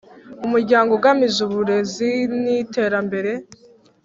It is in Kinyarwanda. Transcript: Umuryango ugamije Uburezi n Iterambere